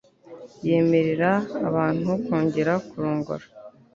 yemerera abantu kongera kurongora